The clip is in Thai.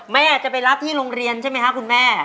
แม่จะไปรับที่โรงเรียนไม๊คะ